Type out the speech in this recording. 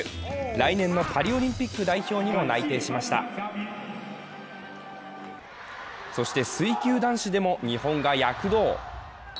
来年のパリオリンピック代表にも内定しましたそして水球男子でも日本が躍動。